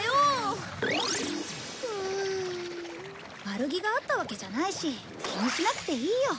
悪気があったわけじゃないし気にしなくていいよ。